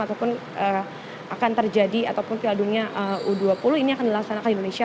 ataupun akan terjadi ataupun piala dunia u dua puluh ini akan dilaksanakan di indonesia